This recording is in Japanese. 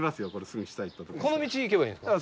この道行けばいいんですか？